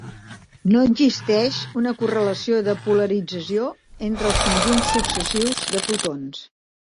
No existeix una correlació de polarització entre els conjunts successius de fotons.